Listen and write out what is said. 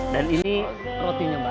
dan ini rotinya mbak